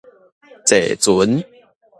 坐船